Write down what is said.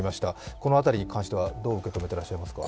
この辺りに関してはどう受け止めていらっしゃいますか？